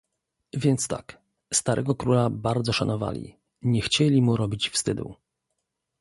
"Więc tak: starego króla bardzo szanowali, nie chcieli mu robić wstydu."